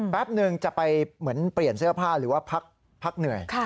แป๊บนึงจะไปเหมือนเปลี่ยนเสื้อผ้าหรือว่าพักเหนื่อย